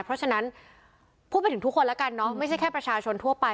เพราะฉะนั้นพูดไปถึงทุกคนแล้วกันเนอะไม่ใช่แค่ประชาชนทั่วไป